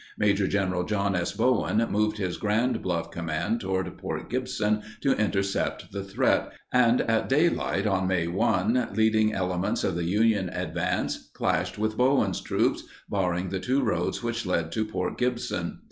Maj. Gen. John S. Bowen moved his Grand Gulf command toward Port Gibson to intercept the threat, and, at daylight on May 1, leading elements of the Union advance clashed with Bowen's troops, barring the two roads which led to Port Gibson.